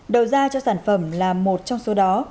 đầu ra cho sản phẩm là một trong số đó